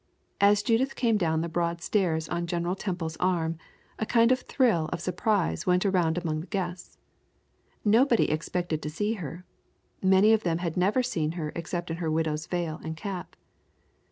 As Judith came down the broad stairs on General Temple's arm, a kind of thrill of surprise went around among the guests. Nobody expected to see her. Many of them had never seen her except in her widow's veil and cap.